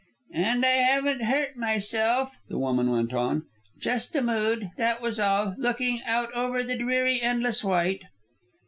"And I haven't hurt myself," the woman went on. "Just a mood, that was all, looking out over the dreary endless white."